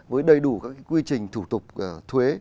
với đầy đủ các quy trình thủ tục thuế